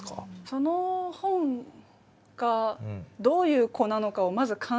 その本がどういう子なのかをまず観察することが。